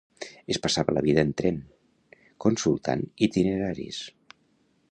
Es passava la vida en tren, consultant itineraris